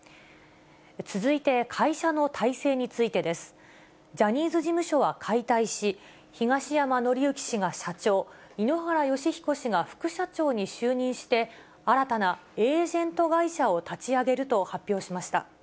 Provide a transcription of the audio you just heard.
続いて会社の体制についてです。ジャニーズ事務所は解体し、東山紀之氏が社長、井ノ原快彦氏が副社長に就任して、新たなエージェント会社を立ち上げると発表しました。